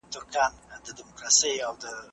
سوداګرو به خپله دوراني پانګه راټوله کړې وي.